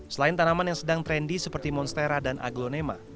selain tanaman yang sedang trendy seperti monstera dan aglonema